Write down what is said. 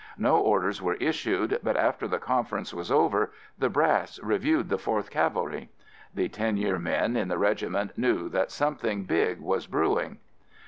No orders were issued but after the conference was over, the "brass" reviewed the 4th Cavalry. The "ten year" men in the regiment knew that something big was brewing.